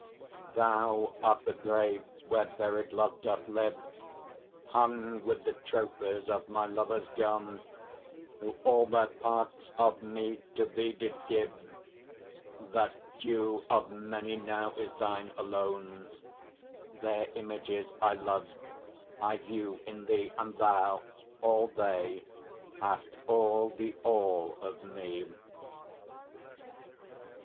Thou art the grave where buried love doth live, Hung with the trophies of my lovers gone, Who all their parts of me to thee did give, That due of many now is thine alone: Their images I lov'd, I view in thee, And thou, all they, hast all the all of me.